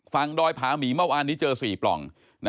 ฝั่งดอยผามีเม่าอานที่เจอ๔ปล่อง